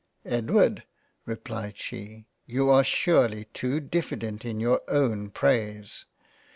Edward (replied she) you are surely too diffident in youi own praise.